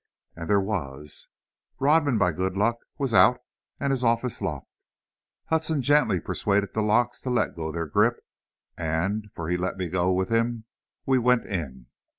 And there was! Rodman, by good luck, was out and his offices locked. Hudson gently persuaded the locks to let go their grip, and, for he let me go with him, we went in.